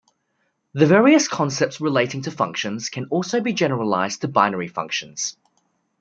The various concepts relating to functions can also be generalised to binary functions.